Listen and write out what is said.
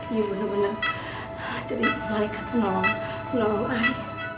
ibu benar benar jadi pengalihkan penolong penolong saya